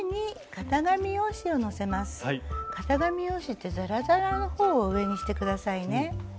型紙用紙ってザラザラの方を上にして下さいね。